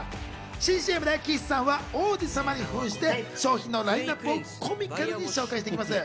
新ＣＭで岸さんは王子様に扮して商品のラインナップをコミカルに紹介していきます。